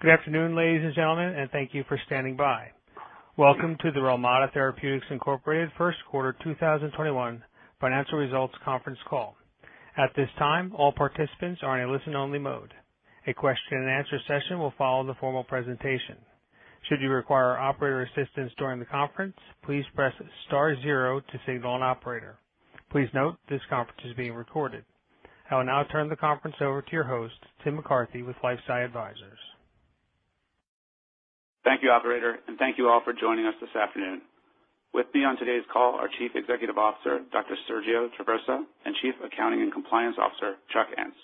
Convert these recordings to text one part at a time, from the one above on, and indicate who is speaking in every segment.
Speaker 1: Good afternoon, ladies and gentlemen, and thank you for standing by. Welcome to the Relmada Therapeutics, Inc First Quarter 2021 Financial Results Conference Call. At this time, all participants are in a listen only mode. A question and answer session will follow the formal presentation. I will now turn the conference over to your host, Timothy McCarthy with LifeSci Advisors.
Speaker 2: Thank you, operator, thank you all for joining us this afternoon. With me on today's call are Chief Executive Officer, Sergio Traversa, and Chief Accounting and Compliance Officer, Charles Ence.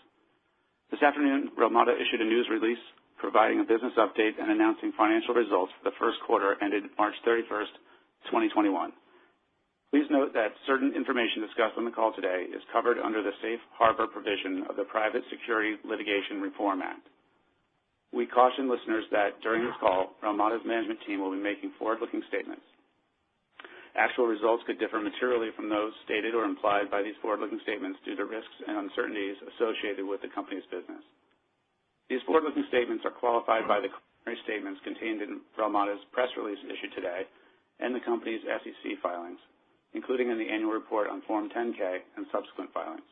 Speaker 2: This afternoon, Relmada issued a news release providing a business update and announcing financial results for the first quarter ended March 31, 2021. Please note that certain information discussed on the call today is covered under the safe harbor provision of the Private Securities Litigation Reform Act. We caution listeners that during this call, Relmada's management team will be making forward-looking statements. Actual results could differ materially from those stated or implied by these forward-looking statements due to risks and uncertainties associated with the company's business. These forward-looking statements are qualified by the cautionary statements contained in Relmada's press release issued today and the company's SEC filings, including in the annual report on Form 10-K and subsequent filings.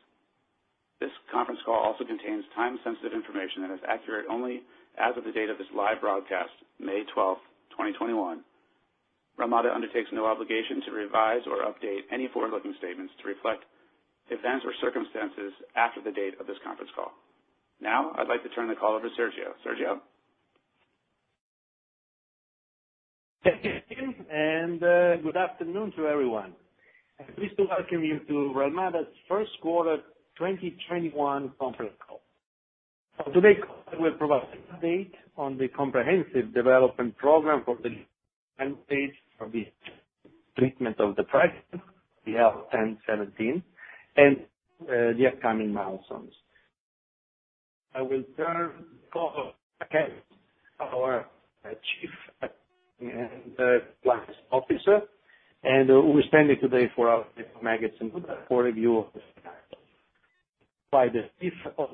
Speaker 2: This conference call also contains time-sensitive information that is accurate only as of the date of this live broadcast, May 12th, 2021. Relmada undertakes no obligation to revise or update any forward-looking statements to reflect events or circumstances after the date of this conference call. Now, I'd like to turn the call over to Sergio. Sergio?
Speaker 3: Thank you, [Timothy McCarthy], and good afternoon to everyone. I'm pleased to welcome you to Relmada's first quarter 2021 conference call. On today's call, I will provide an update on the comprehensive development program for the treatment of depression, the REL-1017, and the upcoming milestones. I will turn the call over to Charles Ence, our Chief Accounting and Compliance Officer, and who is standing today for our CFO, Maged Shenouda, for a review of the financials. By the [June 5th] of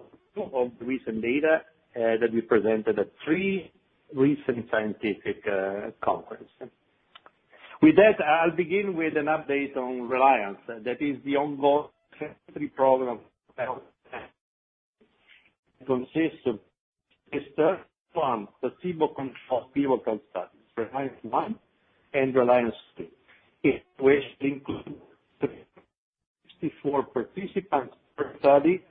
Speaker 3: the recent data that we presented at three recent scientific conferences. With that, I'll begin with an update on RELIANCE. That is the ongoing phase III program for REL-1017. It consists of the first placebo-controlled pivotal studies, RELIANCE I and RELIANCE II, which includes 364 participants per study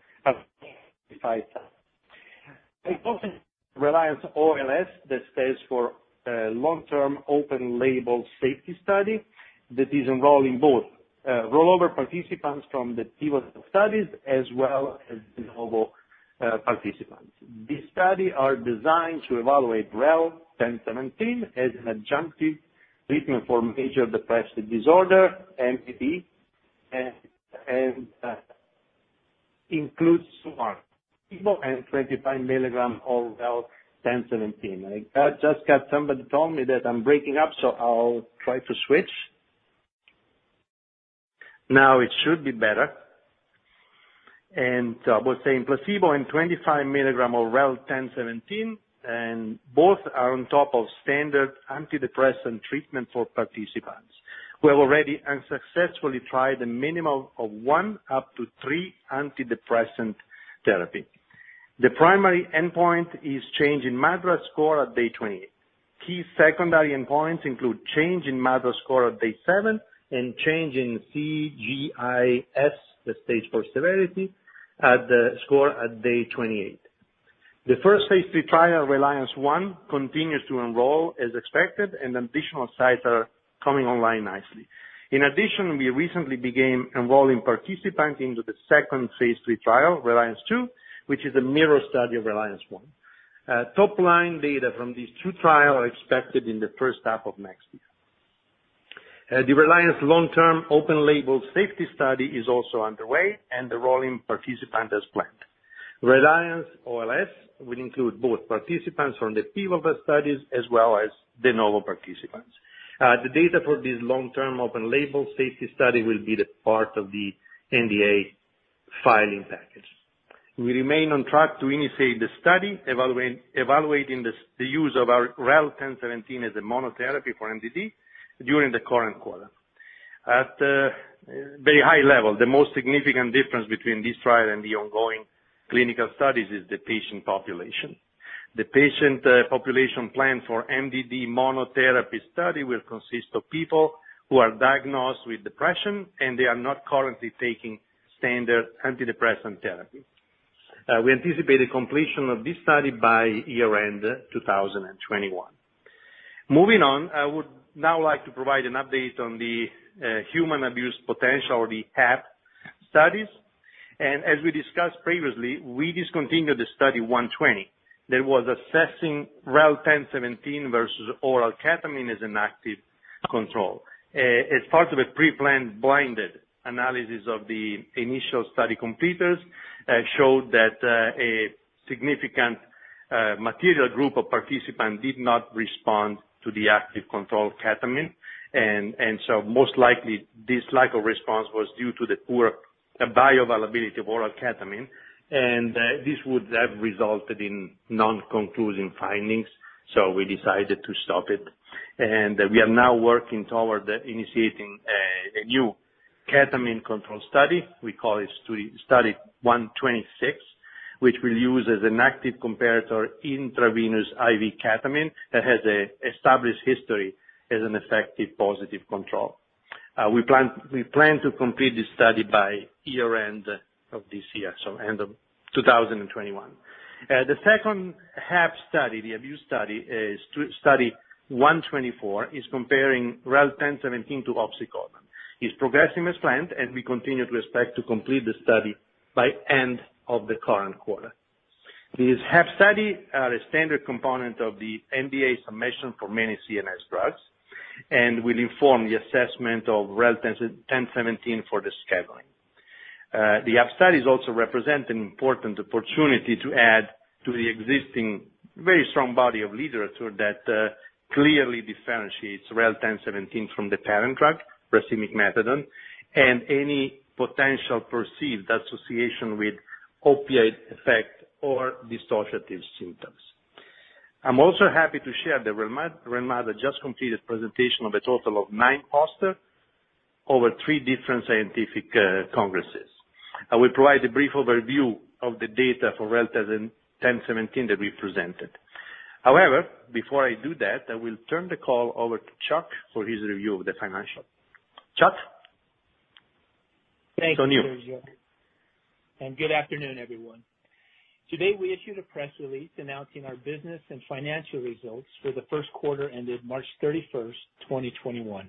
Speaker 3: at 25 sites. It also includes RELIANCE-OLS, that stands for, Long-Term Open-Label Safety study that is enrolling both rollover participants from the pivotal studies as well as de novo participants. This study are designed to evaluate REL-1017 as an adjunctive treatment for Major Depressive Disorder, MDD, and includes placebo and 25 mg of REL-1017. I just got somebody told me that I am breaking up, so I'll try to switch. Now it should be better. I was saying placebo and 25 mg of REL-1017, and both are on top of standard antidepressant treatment for participants who have already unsuccessfully tried a minimum of one up to three antidepressant therapy. The primary endpoint is change in MADRS score at day 20. Key secondary endpoints include change in MADRS score at day seven and change in CGI-S, the stage for severity, score at day 28. The first phase III trial, RELIANCE I, continues to enroll as expected, and additional sites are coming online nicely. We recently began enrolling participants into the second phase III trial, RELIANCE II, which is a mirror study of RELIANCE I. Top line data from these two trial are expected in the first half of next year. The RELIANCE-OLS is also underway and enrolling participants as planned. RELIANCE-OLS will include both participants from the pivotal studies as well as de novo participants. The data for this long-term open label safety study will be the part of the NDA filing package. We remain on track to initiate the study evaluating the use of our REL-1017 as a monotherapy for MDD during the current quarter. At a very high level, the most significant difference between this trial and the ongoing clinical studies is the patient population. The patient population plan for MDD monotherapy study will consist of people who are diagnosed with depression, and they are not currently taking standard antidepressant therapy. We anticipate the completion of this study by year-end 2021. Moving on, I would now like to provide an update on the Human Abuse Potential or the HAP studies. As we discussed previously, we discontinued Study 120 that was assessing REL-1017 versus oral ketamine as an active control. As part of a pre-planned blinded analysis of the initial study completers showed that a significant material group of participants did not respond to the active control ketamine. Most likely, this lack of response was due to the poor The bioavailability of oral ketamine, and this would have resulted in non-concluding findings, so we decided to stop it. We are now working toward initiating a new ketamine control study. We call it Study 126, which will use as an active comparator intravenous (IV) ketamine that has a established history as an effective positive control. We plan to complete this study by year-end of this year, so end of 2021. The second HAP study, the abuse study, is Study 124, is comparing REL-1017 to oxycodone. It's progressing as planned, and we continue to expect to complete the study by end of the current quarter. These HAP study are a standard component of the NDA submission for many CNS drugs and will inform the assessment of REL-1017 for the scheduling. The HAP studies also represent an important opportunity to add to the existing very strong body of literature that clearly differentiates REL-1017 from the parent drug, racemic methadone, and any potential perceived association with opioid effect or dissociative symptoms. I'm also happy to share that Relmada just completed presentation of a total of nine poster over three different scientific congresses. I will provide a brief overview of the data for REL-1017 that we presented. However, before I do that, I will turn the call over to Chuck for his review of the financial. Chuck.
Speaker 4: Thanks, Sergio.
Speaker 3: It's all you.
Speaker 4: Good afternoon, everyone. Today, we issued a press release announcing our business and financial results for the first quarter ended March 31st, 2021,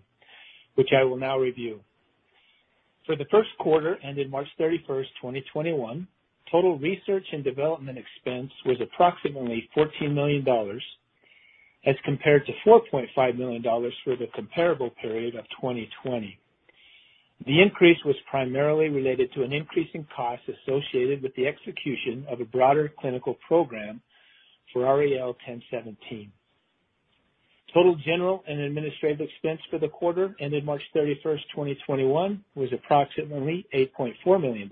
Speaker 4: which I will now review. For the first quarter ended March 31st, 2021, total research and development expense was approximately $14 million as compared to $4.5 million for the comparable period of 2020. The increase was primarily related to an increase in cost associated with the execution of a broader clinical program for REL-1017. Total general and administrative expense for the quarter ended March 31st, 2021, was approximately $8.4 million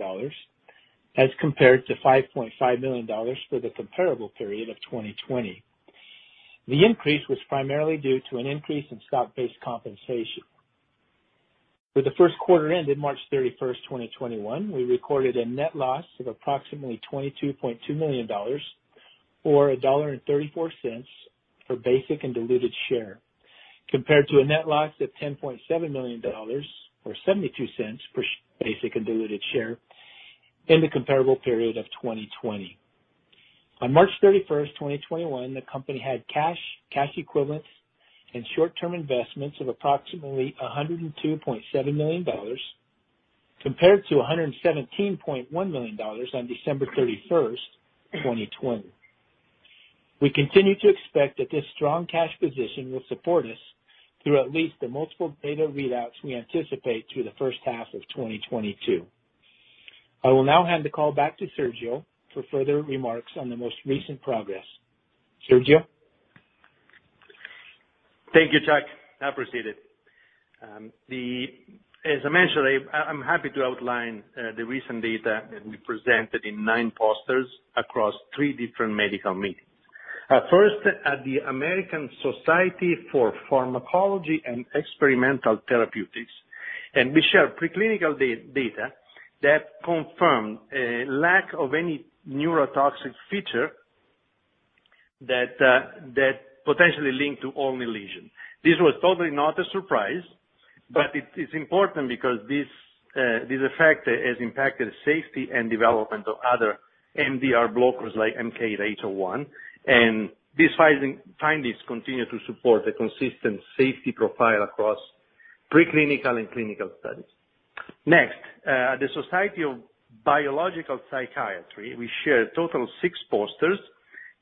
Speaker 4: as compared to $5.5 million for the comparable period of 2020. The increase was primarily due to an increase in stock-based compensation. For the first quarter ended March 31st, 2021, we recorded a net loss of approximately $22.2 million or $1.34 for basic and diluted share, compared to a net loss of $10.7 million or $0.72 per basic and diluted share in the comparable period of 2020. On March 31st, 2021, the company had cash equivalents, and short-term investments of approximately $102.7 million compared to $117.1 million on December 31st, 2020. We continue to expect that this strong cash position will support us through at least the multiple data readouts we anticipate through the first half of 2022. I will now hand the call back to Sergio for further remarks on the most recent progress. Sergio?
Speaker 3: Thank you, Chuck. I appreciate it. As I mentioned, I'm happy to outline the recent data that we presented in nine posters across three different medical meetings. First, at the American Society for Pharmacology and Experimental Therapeutics, we share pre-clinical data that confirm a lack of any neurotoxic feature that potentially link to Olney's lesion. This was totally not a surprise, it's important because this effect has impacted safety and development of other NMDA receptor blockers like MK-801, these findings continue to support the consistent safety profile across pre-clinical and clinical studies. Next, at the Society of Biological Psychiatry, we share a total of six posters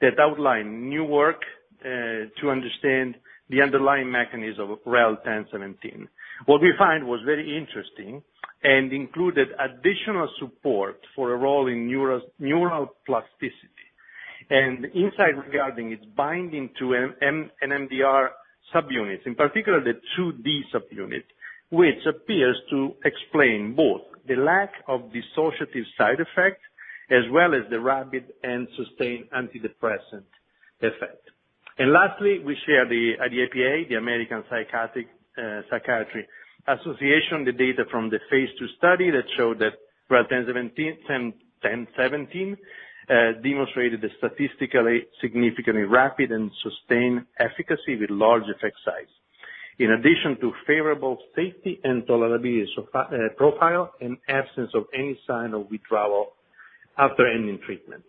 Speaker 3: that outline new work to understand the underlying mechanism of REL-1017. What we find was very interesting and included additional support for a role in neural plasticity and insight regarding its binding to NMDAR subunits, in particular the GluN2D subunit, which appears to explain both the lack of dissociative side effect as well as the rapid and sustained antidepressant effect. Lastly, we share at the APA, the American Psychiatric Association, the data from the phase II study that showed that REL-1017 demonstrated a statistically significantly rapid and sustained efficacy with large effect size, in addition to favorable safety and tolerability profile and absence of any sign of withdrawal after ending treatment.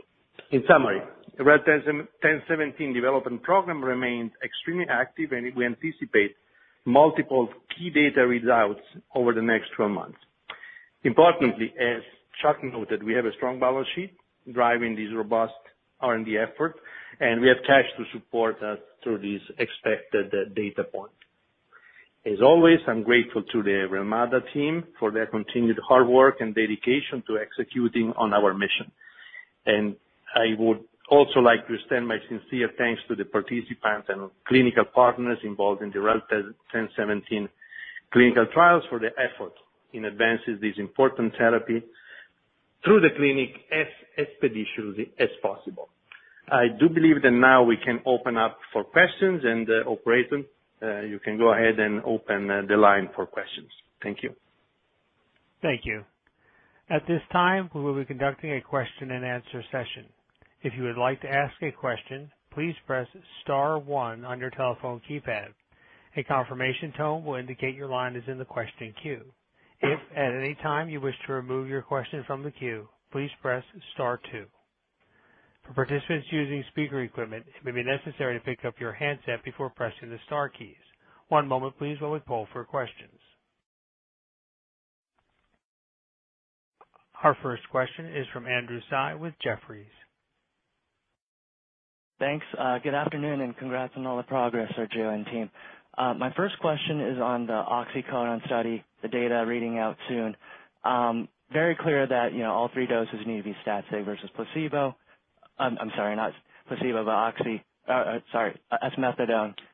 Speaker 3: In summary, the REL-1017 development program remains extremely active, and we anticipate multiple key data readouts over the next 12 months. Importantly, as Chuck noted, we have a strong balance sheet driving this robust R&D effort, and we have cash to support us through this expected data point. As always, I'm grateful to the Relmada team for their continued hard work and dedication to executing on our mission. I would also like to extend my sincere thanks to the participants and clinical partners involved in the REL-1017 clinical trials for their effort in advancing this important therapy through the clinic as expeditiously as possible. I do believe that now we can open up for questions and the operator, you can go ahead and open the line for questions. Thank you.
Speaker 1: Thank you. Our first question is from Andrew Tsai with Jefferies.
Speaker 5: Thanks. Good afternoon, congrats on all the progress, Sergio and team. My first question is on the oxycodone study, the data reading out soon. Very clear that all three doses need to be stat-safe versus esmethadone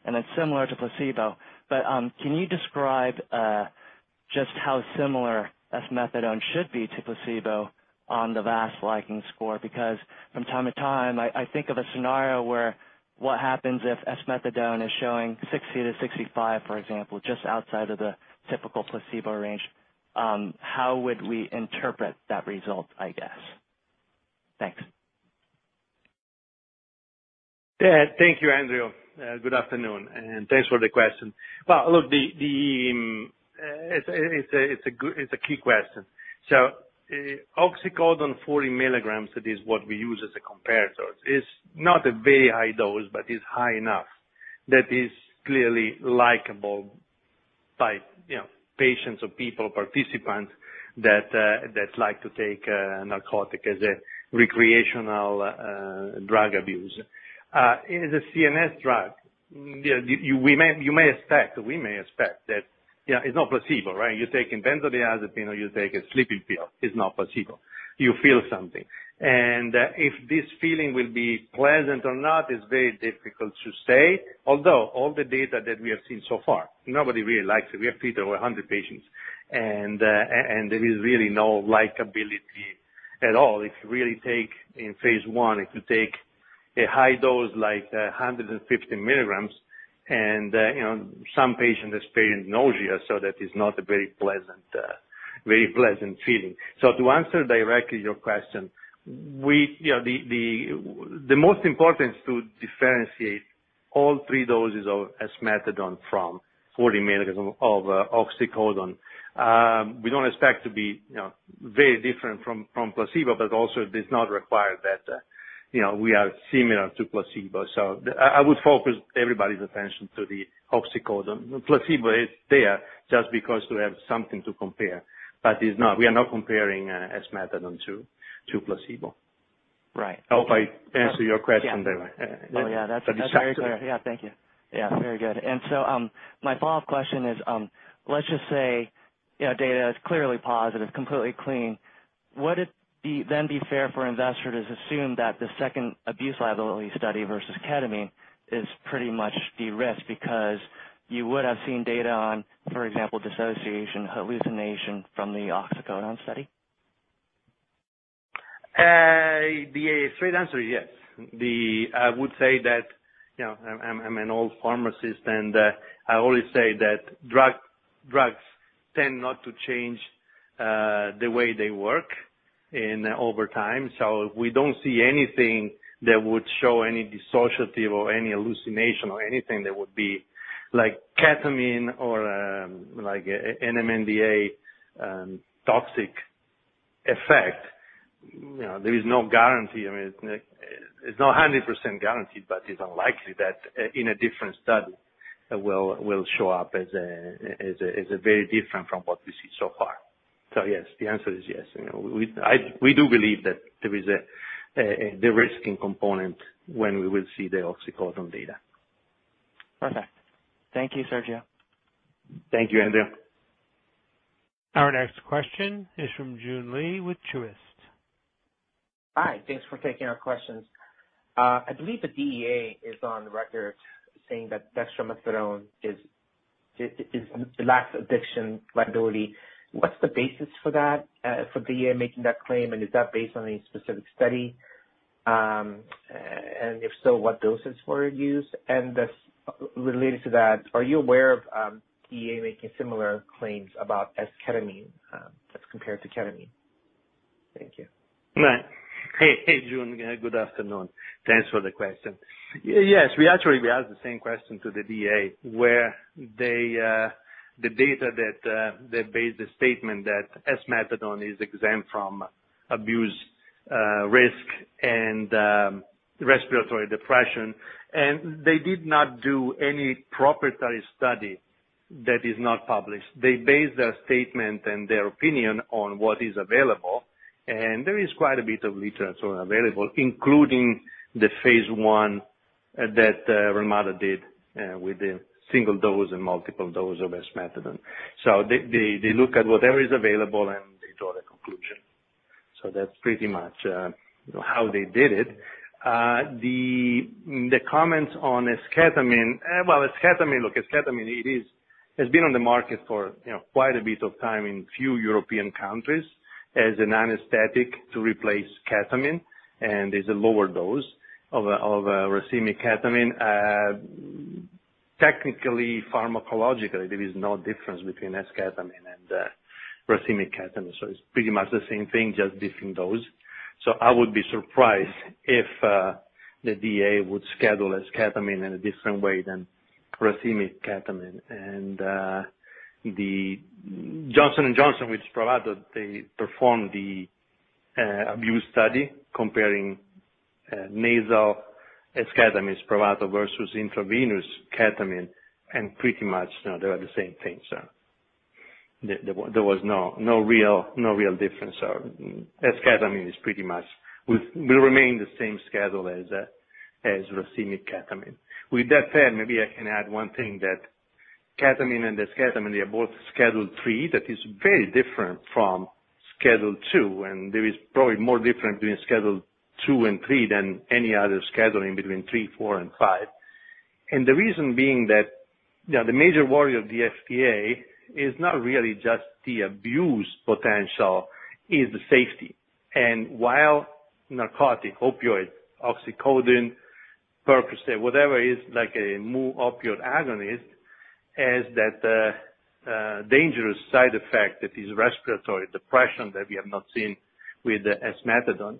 Speaker 5: and it's similar to placebo. Can you describe just how similar esmethadone should be to placebo on the VAS liking score? From time to time, I think of a scenario where what happens if esmethadone is showing 60-65 score, for example, just outside of the typical placebo range. How would we interpret that result, I guess? Thanks.
Speaker 3: Thank you, Andrew. Good afternoon, and thanks for the question. Well, look, it's a key question. oxycodone 40 mg, that is what we use as a comparator. It's not a very high dose, but it's high enough that is clearly likable by patients or people, participants that like to take a narcotic as a recreational drug abuse. As a CNS drug, you may expect, we may expect that it's not placebo, right? You're taking benzodiazepine or you take a sleeping pill, it's not placebo. You feel something. If this feeling will be pleasant or not is very difficult to say, although all the data that we have seen so far, nobody really likes it. We have treated over 100 patients and there is really no likability at all. If you really take in phase I, if you take a high dose like 150 mg and some patient experience nausea, That is not a very pleasant feeling. To answer directly your question, the most important is to differentiate all three doses of esmethadone from 40 mg of oxycodone. We don't expect to be very different from placebo. Also, it does not require that we are similar to placebo. I would focus everybody's attention to the oxycodone. Placebo is there just because to have something to compare. We are not comparing esmethadone to placebo.
Speaker 5: Right.
Speaker 3: I hope I answered your question there.
Speaker 5: Oh, yeah. That's very clear. Yeah, thank you. Yeah, very good. My follow-up question is, let's just say data is clearly positive, completely clean. Would it then be fair for investors to assume that the second abuse liability study versus ketamine is pretty much de-risked because you would have seen data on, for example, dissociation, hallucination from the oxycodone study?
Speaker 3: The straight answer, yes. I would say that I'm an old pharmacist and I always say that drugs tend not to change the way they work over time. If we don't see anything that would show any dissociative or any hallucination or anything that would be like ketamine or like an NMDA toxic effect, there is no guarantee. I mean, it's not 100% guaranteed, but it's unlikely that in a different study will show up as very different from what we see so far. Yes, the answer is yes. We do believe that there is a de-risking component when we will see the oxycodone data.
Speaker 5: Perfect. Thank you, Sergio.
Speaker 3: Thank you, Andrew.
Speaker 1: Our next question is from Joon Lee with Truist.
Speaker 6: Hi. Thanks for taking our questions. I believe the DEA is on record saying that dextromethorphan lacks addiction liability. What's the basis for that, for DEA making that claim? Is that based on any specific study? If so, what doses were used? Related to that, are you aware of DEA making similar claims about esketamine as compared to ketamine? Thank you.
Speaker 3: Hey, Joon. Good afternoon. Thanks for the question. We actually asked the same question to the DEA, where the data that they based the statement that esmethadone is exempt from abuse risk and respiratory depression. They did not do any proprietary study that is not published. They based their statement and their opinion on what is available. There is quite a bit of literature available, including the phase I that Relmada did with the single dose and multiple dose of esmethadone. They look at whatever is available. They draw the conclusion. That's pretty much how they did it. The comments on esketamine. Well, esketamine, look, esketamine has been on the market for quite a bit of time in few European countries as an anesthetic to replace ketamine. It is a lower dose of racemic ketamine. Technically, pharmacologically, there is no difference between esketamine and racemic ketamine. It's pretty much the same thing, just different dose. I would be surprised if the DEA would schedule esketamine in a different way than racemic ketamine. Johnson & Johnson, which SPRAVATO, they performed the abuse study comparing nasal esketamine SPRAVATO versus intravenous ketamine, and pretty much, they were the same thing. There was no real difference. Esketamine will remain the same schedule as racemic ketamine. With that said, maybe I can add one thing that ketamine and esketamine, they are both Schedule III. That is very different from Schedule II, and there is probably more difference between Schedule II and III than any other scheduling between III, IV, and V. The reason being that the major worry of the FDA is not really just the abuse potential, is the safety. While narcotic, opioid, oxycodone, Percocet, whatever is like a mu-opioid agonist, has that dangerous side effect that is respiratory depression that we have not seen with the esmethadone.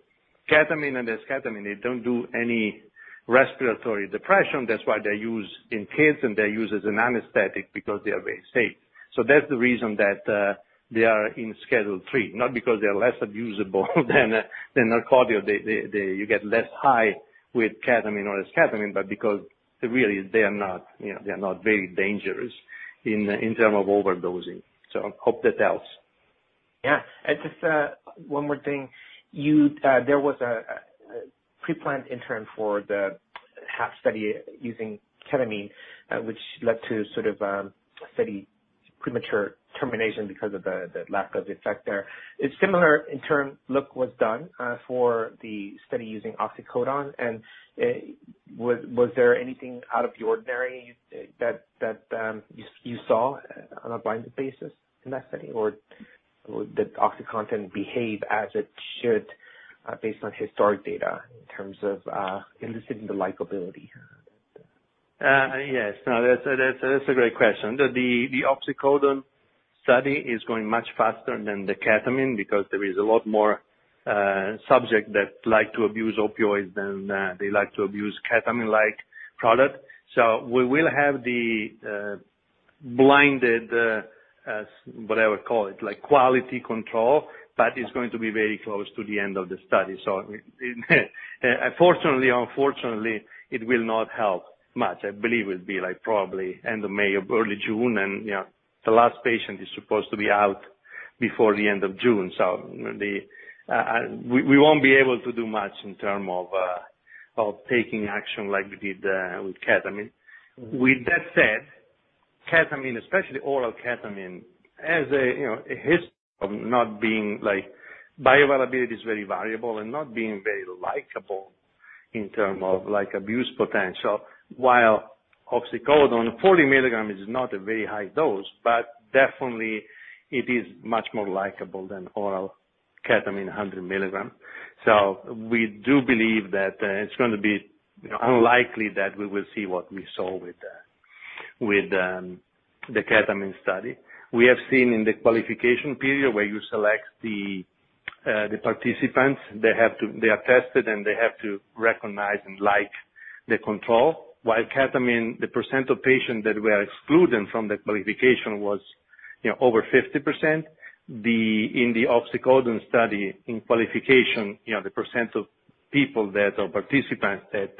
Speaker 3: Ketamine and esketamine, they don't do any respiratory depression. That's why they're used in kids, and they're used as an anesthetic because they are very safe. That's the reason that they are in Schedule III, not because they're less abusable than narcotic or you get less high with ketamine or esketamine, but because really, they are not very dangerous in terms of overdosing. Hope that helps.
Speaker 6: Yeah. Just one more thing. There was a preplanned interim for the HAP study using ketamine, which led to sort of study premature termination because of the lack of effect there. A similar interim look was done for the study using oxycodone. Was there anything out of the ordinary that you saw on a blinded basis in that study, or did oxycodone behave as it should based on historic data in terms of eliciting the likability?
Speaker 3: Yes. No, that's a great question. The oxycodone study is going much faster than the ketamine because there is a lot more subject that like to abuse opioids than they like to abuse ketamine-like product. We will have the blinded, as what I would call it, like quality control, but it's going to be very close to the end of the study. Fortunately or unfortunately, it will not help much. I believe it will be probably end of May or early June. The last patient is supposed to be out before the end of June. We won't be able to do much in term of taking action like we did with ketamine. With that said, ketamine, especially oral ketamine, has a history of not being, like bioavailability is very variable and not being very likable in term of abuse potential. Oxycodone 40 mg is not a very high dose, but definitely it is much more likable than oral ketamine 100 mg. We do believe that it's going to be unlikely that we will see what we saw with the ketamine study. We have seen in the qualification period where you select the participants. They are tested, and they have to recognize and like the control. Ketamine, the percent of patients that were excluded from the qualification was over 50%, in the oxycodone study, in qualification, the percent of people or participants that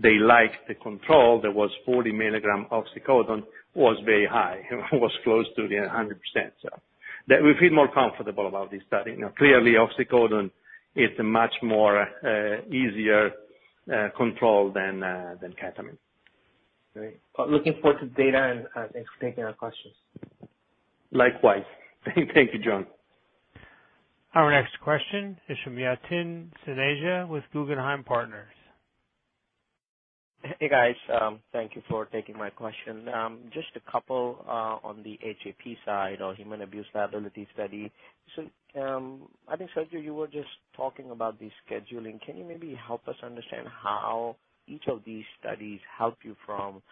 Speaker 3: they liked the control that was 40 mg oxycodone was very high, was close to the 100%. We feel more comfortable about this study. Clearly, oxycodone is a much more easier control than ketamine.
Speaker 6: Great. Looking forward to the data and thanks for taking our questions.
Speaker 3: Likewise. Thank you, Joon.
Speaker 1: Our next question is from Yatin Suneja with Guggenheim Partners.
Speaker 7: Hey, guys. Thank you for taking my question. Just a couple on the HAP side or human abuse liability study. I think, Sergio Traversa, you were just talking about the scheduling. Can you maybe help us understand how each of these studies help you from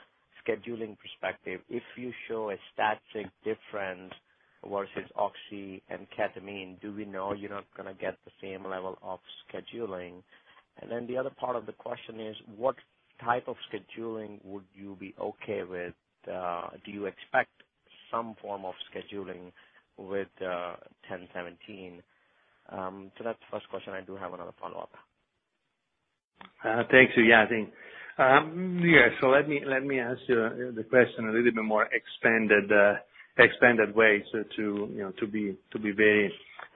Speaker 7: scheduling perspective? If you show a statistic difference versus oxy and ketamine, do we know you're not going to get the same level of scheduling? The other part of the question is what type of scheduling would you be okay with? Do you expect some form of scheduling with -1017? That's the first question. I do have another follow-up.
Speaker 3: Thanks, Yatin. Let me answer the question a little bit more expanded way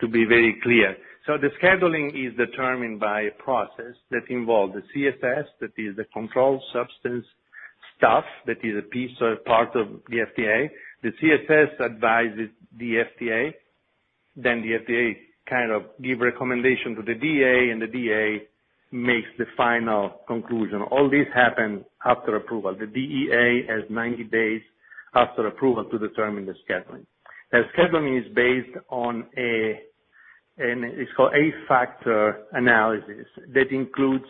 Speaker 3: to be very clear. The scheduling is determined by a process that involves the CSS, that is the Controlled Substances Staff that is a piece or part of the FDA. The CSS advises the FDA, the FDA gives recommendations to the DEA, the DEA makes the final conclusion. All this happens after approval. The DEA has 90 days after approval to determine the scheduling. Scheduling is based on a, it's called a factor analysis that includes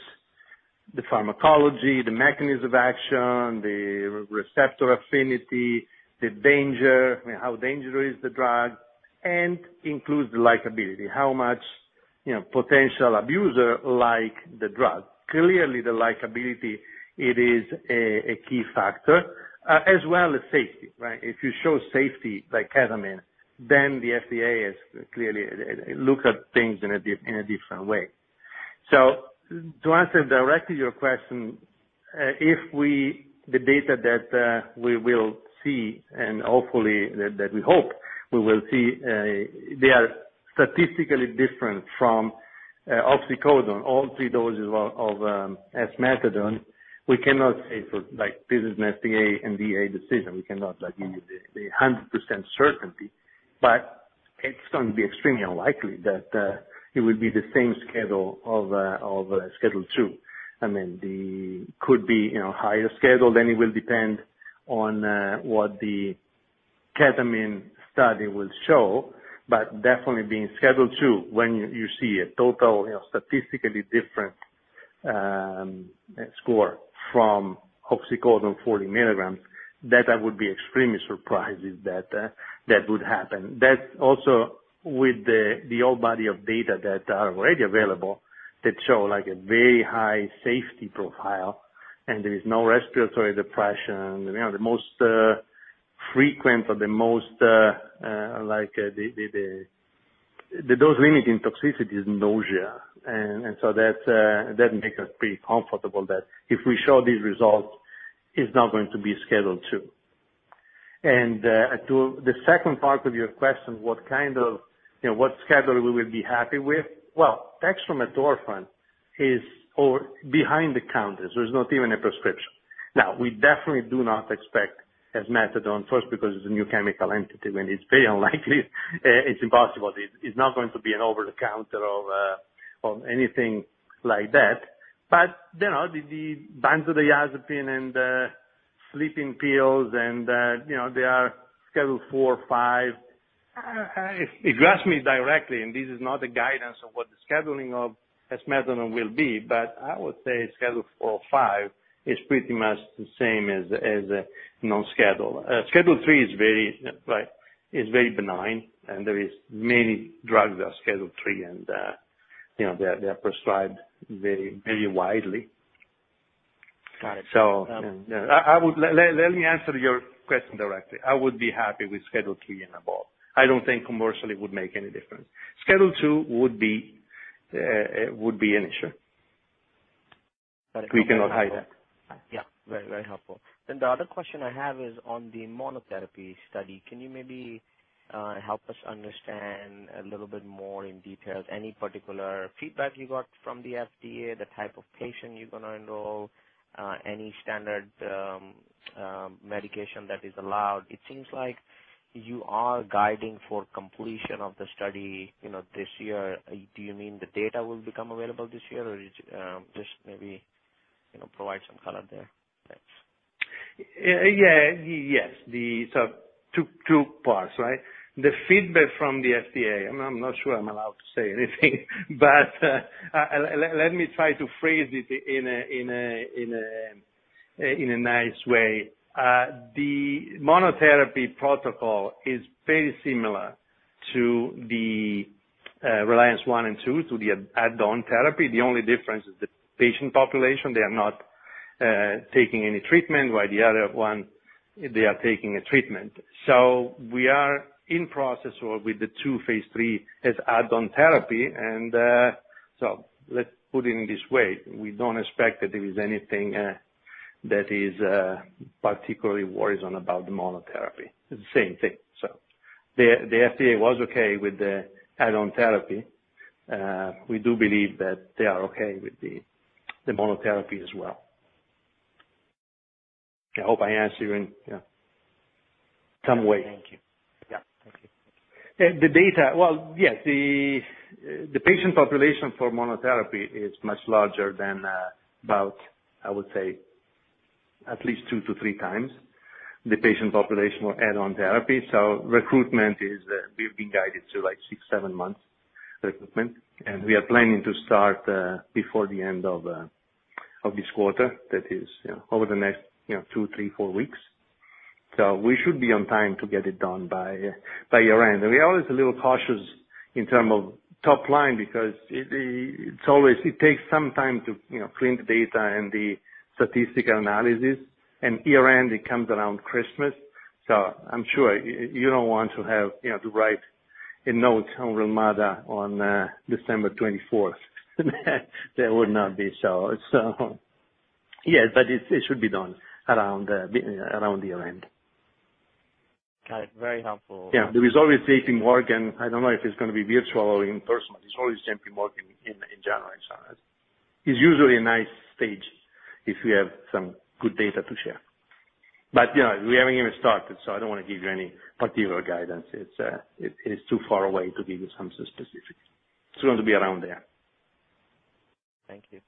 Speaker 3: the pharmacology, the mechanism of action, the receptor affinity, the danger, how dangerous is the drug, includes the likability, how much potential abusers like the drug. Clearly, the likability is a key factor, as well as safety, right. If you show safety by ketamine, then the FDA clearly looks at things in a different way. To answer directly your question, if the data that we will see and hopefully that we hope we will see, they are statistically different from oxycodone, all three doses of esmethadone, we cannot say, so this is an FDA and DEA decision. We cannot give you the 100% certainty, but it's going to be extremely unlikely that it will be the same schedule of a Schedule II. Could be higher schedule, then it will depend on what the ketamine study will show, but definitely being Schedule II, when you see a total statistically different score from oxycodone 40 mg, that I would be extremely surprised if that would happen. That also with the whole body of data that are already available that show a very high safety profile, and there is no respiratory depression. The most frequent or the most, the dose-limiting toxicity is nausea. That makes us pretty comfortable that if we show these results, it's not going to be Schedule II. To the second part of your question, what schedule we will be happy with. Dextromethorphan is behind the counters. There's not even a prescription. We definitely do not expect as esmethadone first because it's a new chemical entity, and it's very unlikely, it's impossible. It's not going to be an over-the-counter or anything like that. The benzodiazepine and the sleeping pills and they are Schedule IV or V. If you ask me directly, this is not a guidance of what the scheduling of esmethadone will be. I would say Schedule IV or V is pretty much the same as a non-schedule. Schedule III is very benign. There is many drugs that are Schedule III, and they're prescribed very widely.
Speaker 7: Got it.
Speaker 3: Let me answer your question directly. I would be happy with Schedule III and above. I don't think commercially it would make any difference. Schedule II would be an issue.
Speaker 7: Got it.
Speaker 3: We cannot hide that.
Speaker 7: Yeah. Very helpful. The other question I have is on the monotherapy study. Can you maybe help us understand a little bit more in detail any particular feedback you got from the FDA, the type of patient you're going to enroll, any standard medication that is allowed? It seems like you are guiding for completion of the study this year. Do you mean the data will become available this year, or just maybe provide some color there? Thanks.
Speaker 3: Yes. Two parts, right? The feedback from the FDA, I'm not sure I'm allowed to say anything, but let me try to phrase it in a nice way. The monotherapy protocol is very similar to the RELIANCE I and II to the add-on therapy. The only difference is the patient population. They are not taking any treatment, while the other one, they are taking a treatment. We are in process or with the two phase III as add-on therapy, let's put it in this way. We don't expect that there is anything that is particularly worrisome about the monotherapy. It's the same thing. The FDA was okay with the add-on therapy. We do believe that they are okay with the monotherapy as well. I hope I answered you in some way.
Speaker 7: Thank you.
Speaker 3: Yeah.
Speaker 7: Thank you.
Speaker 3: The data, well, yes, the patient population for monotherapy is much larger than about, I would say, at least 2x-3x the patient population for add-on therapy. Recruitment is, we've been guided to six, seven months recruitment, and we are planning to start before the end of this quarter. That is over the next two, three, four weeks. We should be on time to get it done by year-end. We are always a little cautious in term of top line because it takes some time to print data and the statistical analysis, and year-end, it comes around Christmas. I'm sure you don't want to have to write a note on Relmada on December 24th. That would not be so. Yes, but it should be done around the year-end.
Speaker 7: Got it. Very helpful.
Speaker 3: Yeah. There is always JPMorgan work and I don't know if it's going to be virtual or in-person, but there's always JPMorgan work in general. It's usually a nice stage if we have some good data to share. We haven't even started, so I don't want to give you any particular guidance. It is too far away to give you something specific. It's going to be around there.
Speaker 7: Thank you.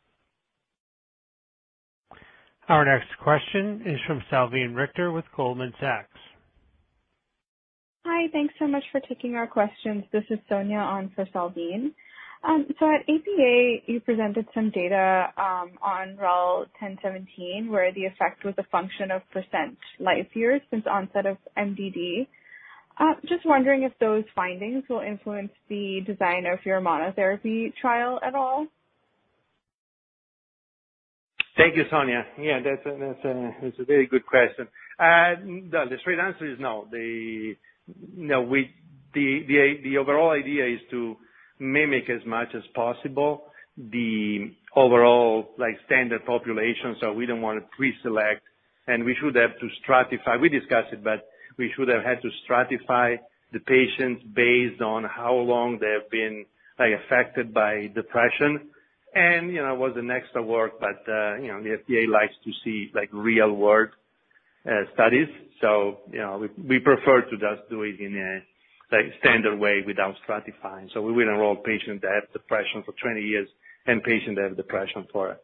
Speaker 1: Our next question is from Salveen Richter with Goldman Sachs.
Speaker 8: Hi. Thanks so much for taking our questions. This is Sonia on for Salveen. At APA, you presented some data on REL-1017, where the effect was a function of percent life years since onset of MDD. Just wondering if those findings will influence the design of your monotherapy trial at all.
Speaker 3: Thank you, Sonia. Yeah, that's a very good question. The straight answer is no. The overall idea is to mimic as much as possible the overall standard population. We don't want to pre-select and we should have to stratify. We discussed it, we should have had to stratify the patients based on how long they have been affected by depression. It was an extra work, the FDA likes to see real-world studies. We prefer to just do it in a standard way without stratifying. We will enroll patients that have depression for 20 years and patients that have depression for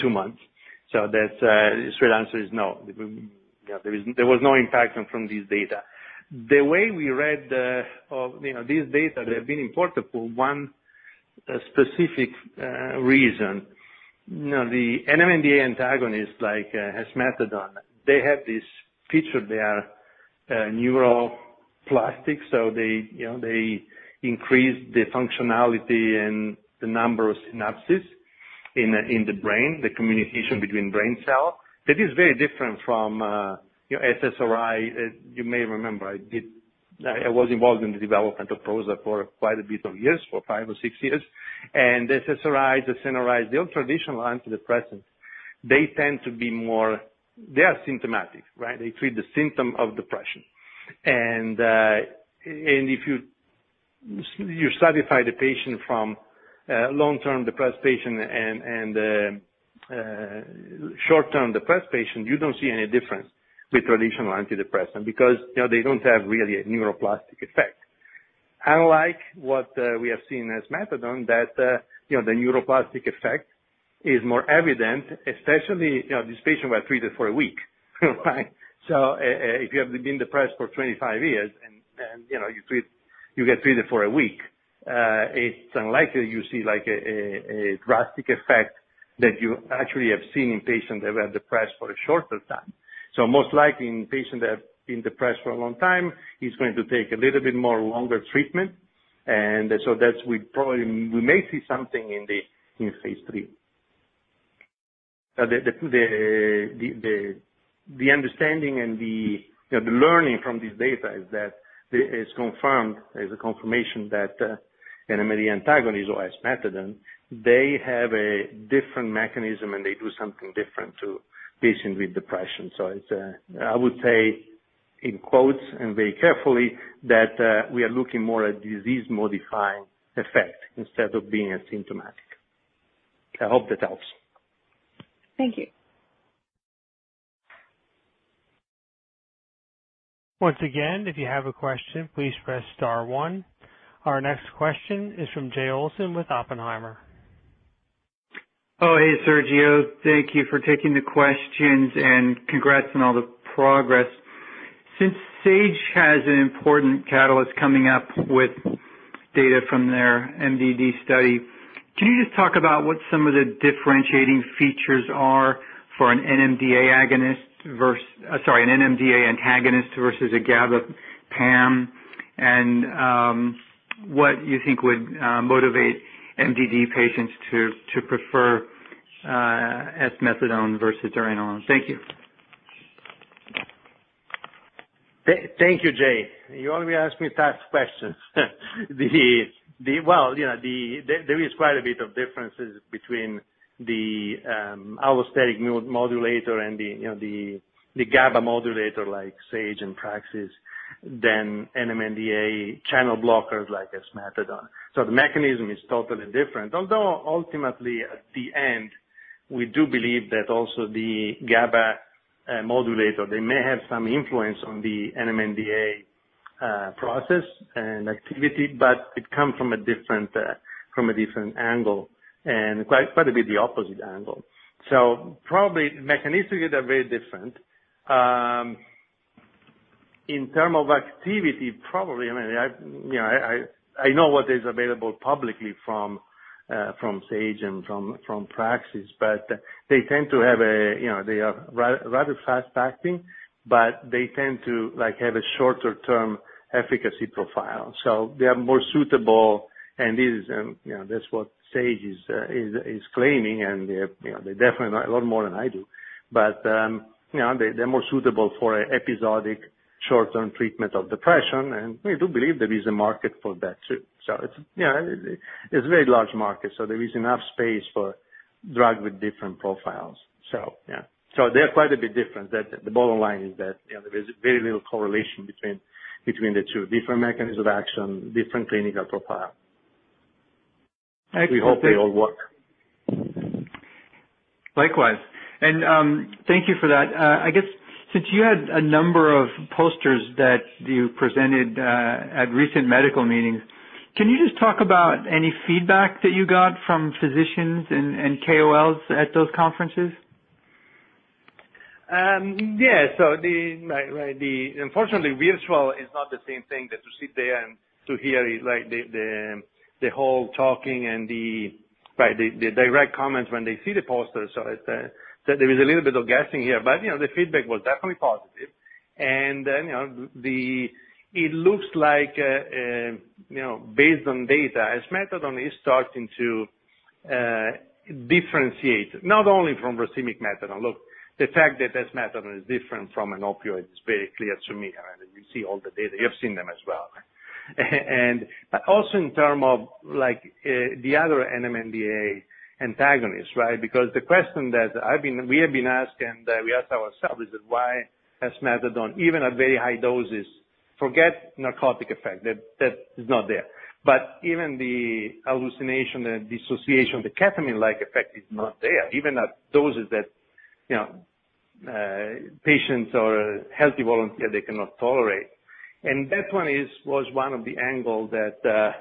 Speaker 3: two months. The straight answer is no. There was no impact from this data. The way we read this data, they've been important for one specific reason. The NMDA antagonist, like esmethadone, they have this feature. They are neuroplastic, so they increase the functionality and the number of synapses in the brain, the communication between brain cell. That is very different from SSRI. You may remember, I was involved in the development of Prozac for quite a bit of years, for five or six years. SSRIs, SNRIs, the old traditional antidepressants, they are symptomatic, right? They treat the symptom of depression. If you stratify the patient from long-term depressed patient and short-term depressed patient, you don't see any difference with traditional antidepressant because they don't have really a neuroplastic effect. Unlike what we have seen as esmethadone that the neuroplastic effect is more evident, especially these patients were treated for a week, right? If you have been depressed for 25 years and you get treated for a week, it's unlikely you see a drastic effect that you actually have seen in patients that were depressed for a shorter time. Most likely in patients that have been depressed for a long time, it's going to take a little bit more longer treatment. We may see something in phase III. The understanding and the learning from this data is that it's confirmed. There's a confirmation that the NMDA antagonist or esmethadone, they have a different mechanism and they do something different to patients with depression. I would say, in quotes and very carefully, that we are looking more at disease-modifying effect instead of being asymptomatic. I hope that helps.
Speaker 8: Thank you.
Speaker 1: Once again, if you have a question, please press star one. Our next question is from Jay Olson with Oppenheimer.
Speaker 9: Oh, hey, Sergio. Thank you for taking the questions and congrats on all the progress. Since Sage has an important catalyst coming up with data from their MDD study, can you just talk about what some of the differentiating features are for an NMDA antagonist versus a GABA PAM, and what you think would motivate MDD patients to prefer esmethadone versus [our own]? Thank you.
Speaker 3: Thank you, Jay. You only ask me tough questions. There is quite a bit of differences between the allosteric modulator and the GABA modulator like Sage and Praxis than NMDA channel blockers like esmethadone. The mechanism is totally different. Although ultimately, at the end, we do believe that also the GABA modulator, they may have some influence on the NMDA process and activity, but it comes from a different angle, and quite a bit the opposite angle. Probably mechanistically, they're very different. In term of activity, probably, I know what is available publicly from Sage and from Praxis, but they are rather fast-acting, but they tend to have a shorter-term efficacy profile. They are more suitable, and that's what Sage is claiming, and they definitely know a lot more than I do. They're more suitable for a episodic short-term treatment of depression, and we do believe there is a market for that too. It's a very large market, so there is enough space for drug with different profiles. Yeah. They're quite a bit different. The bottom line is that there is very little correlation between the two. Different mechanisms of action, different clinical profile.
Speaker 9: Excellent.
Speaker 3: We hope they all work.
Speaker 9: Likewise. Thank you for that. I guess since you had a number of posters that you presented at recent medical meetings, can you just talk about any feedback that you got from physicians and KOLs at those conferences?
Speaker 3: Yeah. Unfortunately, virtual is not the same thing that you sit there and to hear the whole talking and the direct comments when they see the poster. There is a little bit of guessing here, but the feedback was definitely positive. It looks like, based on data, esmethadone is starting to differentiate, not only from racemic methadone. Look, the fact that esmethadone is different from an opioid is very clear to me. You see all the data. You have seen them as well. In terms of the other NMDA antagonists, right? The question that we have been asked and we ask ourselves is that why has methadone, even at very high doses, forget narcotic effect, that is not there. Even the hallucination and dissociation, the ketamine-like effect is not there, even at doses that patients or healthy volunteers, they cannot tolerate. That one was one of the angle that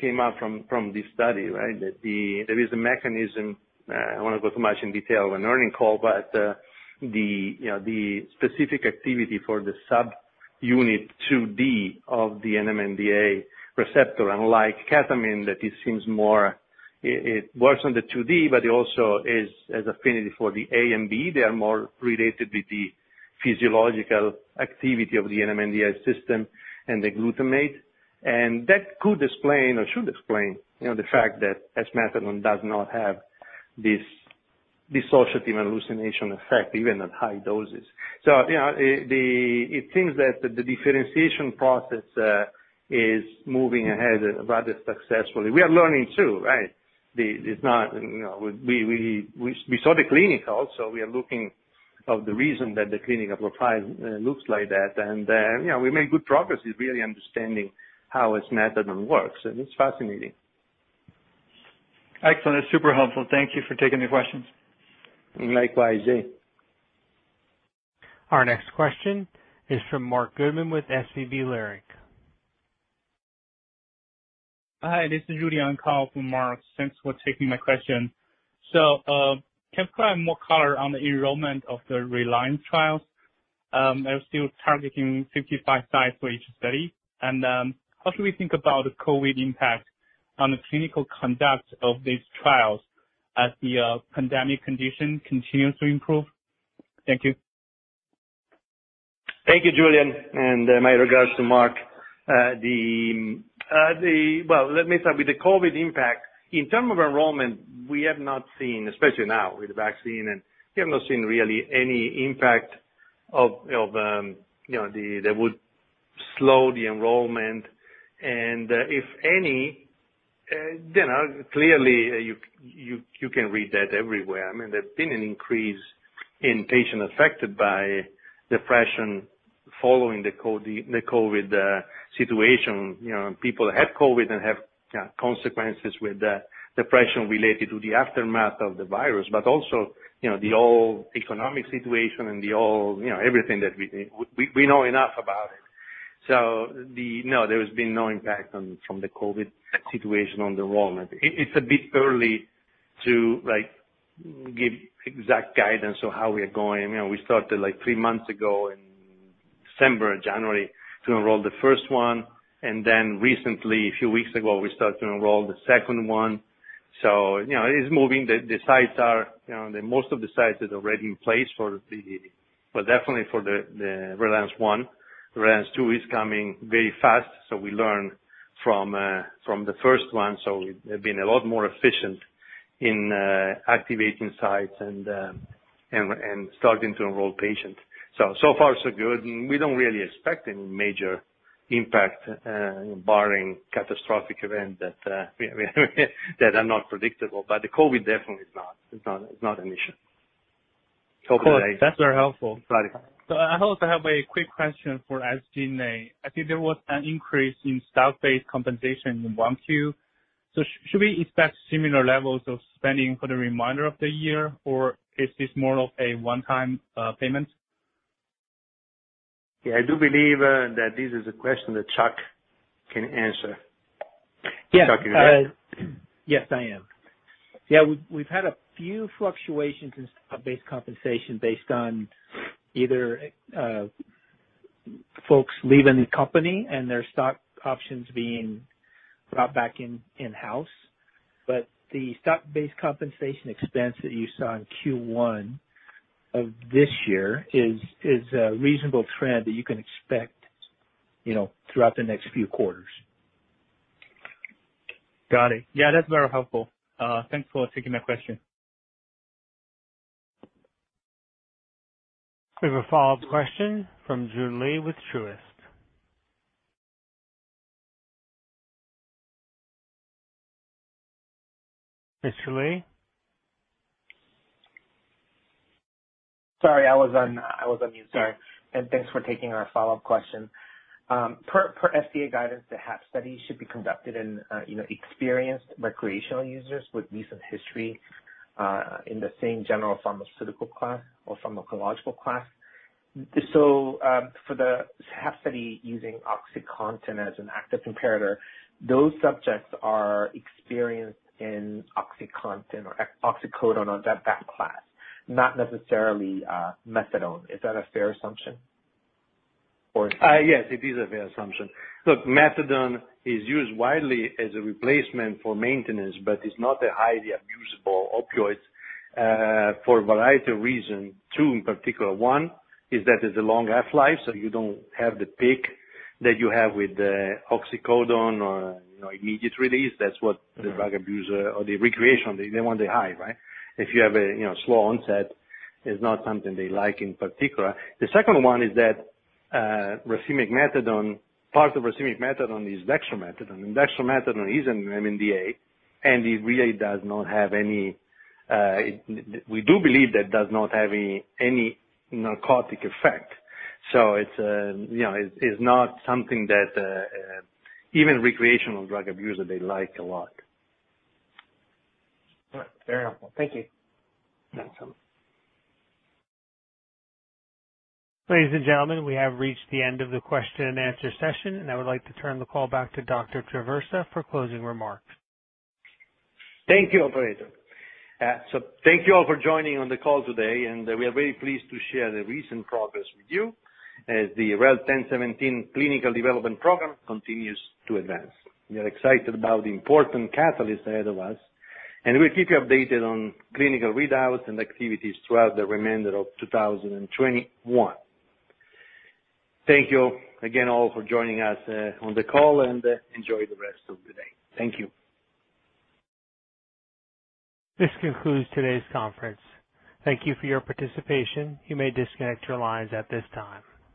Speaker 3: came up from this study, right. There is a mechanism, I don't want to go too much in detail of an earnings call, but the specific activity for the subunit GluN2D of the NMDA receptor, unlike ketamine, that it works on the GluN2D, but it also has affinity for the A and B. They are more related with the physiological activity of the NMDA system and the glutamate. That could explain, or should explain, the fact that esmethadone does not have this dissociative and hallucination effect, even at high doses. It seems that the differentiation process is moving ahead rather successfully. We are learning, too, right. We saw the clinical. We are looking of the reason that the clinical profile looks like that. We make good progress in really understanding how esmethadone works. It's fascinating.
Speaker 9: Excellent. Super helpful. Thank you for taking the questions.
Speaker 3: Likewise. Jay.
Speaker 1: Our next question is from Marc Goodman with SVB Leerink.
Speaker 10: Hi, this is Julian Kao from Marc. Thanks for taking my question. Can you provide more color on the enrollment of the RELIANCE trials? Are you still targeting 55 sites for each study? How should we think about the COVID impact on the clinical conduct of these trials as the pandemic condition continues to improve? Thank you.
Speaker 3: Thank you, Julian. My regards to Marc. Well, let me start with the COVID impact. In terms of enrollment, we have not seen, especially now with the vaccine, we have not seen really any impact that would slow the enrollment. If any, clearly you can read that everywhere. There's been an increase in patients affected by depression following the COVID situation. People have COVID and have consequences with depression related to the aftermath of the virus, also, the whole economic situation and everything that we know enough about it. No, there has been no impact from the COVID situation on the enrollment. It's a bit early to give exact guidance on how we are going. We started three months ago in December, January, to enroll the first one, recently, a few weeks ago, we start to enroll the second one. It's moving. Most of the sites is already in place definitely for the RELIANCE I. RELIANCE II is coming very fast. We learn from the first one. We've been a lot more efficient in activating sites and starting to enroll patients. So far, so good. We don't really expect any major impact, barring catastrophic event that are not predictable. The COVID definitely is not an issue.
Speaker 10: Of course. That's very helpful.
Speaker 3: Right.
Speaker 10: I also have a quick question for SG&A. I think there was an increase in stock-based compensation in 1Q. Should we expect similar levels of spending for the remainder of the year, or is this more of a one-time payment?
Speaker 3: Yeah, I do believe that this is a question that Chuck can answer.
Speaker 4: Yes.
Speaker 3: Charles, you there?
Speaker 4: Yes, I am. Yeah, we've had a few fluctuations in stock-based compensation based on either folks leaving the company and their stock options being brought back in-house. The stock-based compensation expense that you saw in Q1 of this year is a reasonable trend that you can expect throughout the next few quarters.
Speaker 10: Got it. Yeah, that's very helpful. Thanks for taking my question.
Speaker 1: We have a follow-up question from Joon with Truist. Mr. Lee?
Speaker 6: Sorry, I was on mute. Sorry. Thanks for taking our follow-up question. Per FDA guidance, the HAP study should be conducted in experienced recreational users with recent history in the same general pharmaceutical class or pharmacological class. For the HAP study using OxyContin as an active comparator, those subjects are experienced in OxyContin or oxycodone on that class, not necessarily methadone. Is that a fair assumption?
Speaker 3: Yes, it is a fair assumption. Look, methadone is used widely as a replacement for maintenance but is not a highly abusable opioid for a variety of reasons. Two in particular. One is that it's a long half-life, so you don't have the peak that you have with the oxycodone or immediate release. That's what the drug abuser or the recreational, they want the high, right? If you have a slow onset, it's not something they like in particular. The second one is that racemic methadone, part of racemic methadone, is dextromethadone, and dextromethadone is an NMDA, and we do believe that does not have any narcotic effect. It's not something that even recreational drug abusers, they like a lot.
Speaker 6: All right. Very helpful. Thank you.
Speaker 3: You're welcome.
Speaker 1: Ladies and gentlemen, we have reached the end of the question and answer session, and I would like to turn the call back to Dr. Traversa for closing remarks.
Speaker 3: Thank you, operator. Thank you all for joining on the call today, and we are very pleased to share the recent progress with you as the REL-1017 clinical development program continues to advance. We are excited about the important catalyst ahead of us, and we'll keep you updated on clinical readouts and activities throughout the remainder of 2021. Thank you again all for joining us on the call and enjoy the rest of your day. Thank you.
Speaker 1: This concludes today's conference. Thank you for your participation. You may disconnect your lines at this time.